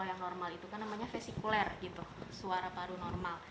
kalau yang normal itu namanya vesikuler suara paru normal